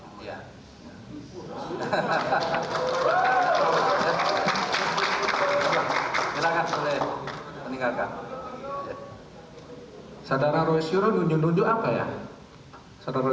ya hahaha hahaha hai silakan oleh meninggalkan sadara roesiro nunjuk nunjuk apa ya sadara